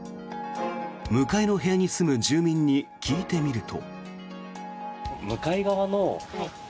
向かいの部屋に住む住民に聞いてみると。